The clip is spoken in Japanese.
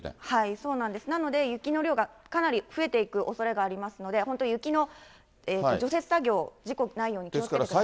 そうなんです、なので雪の量がかなり増えていく恐れがありますので、本当、雪の、除雪作業、事故ないように気をつけてください。